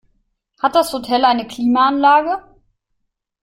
Hat das Hotel eine Klimaanlage?